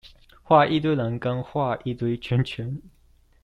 畫一堆人跟畫一堆圈圈